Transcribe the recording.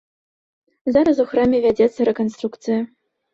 Зараз у храме вядзецца рэканструкцыя.